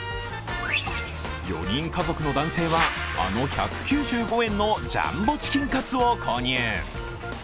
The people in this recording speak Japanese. ４人家族の男性は、あの１９５円のジャンボチキンカツを購入。